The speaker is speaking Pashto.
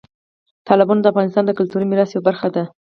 تالابونه د افغانستان د کلتوري میراث یوه برخه ده.